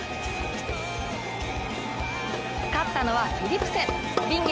勝ったのはフィリプセン。